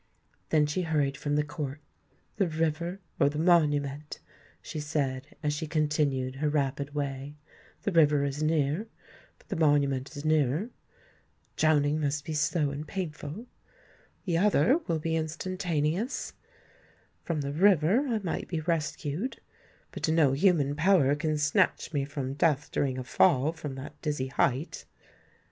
Then she hurried from the court. "The river—or the Monument," she said, as she continued her rapid way: "the river is near—but the Monument is nearer. Drowning must be slow and painful—the other will be instantaneous. From the river I might be rescued; but no human power can snatch me from death during a fall from that dizzy height."